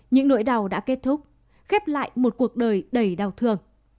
những nỗi đau đã kết thúc khép lại một cuộc đời đầy đau thương